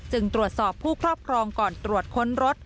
ตรวจสอบผู้ครอบครองก่อนตรวจค้นรถ